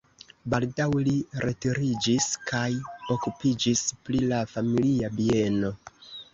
Baldaŭ li retiriĝis kaj okupiĝis pri la familia bieno.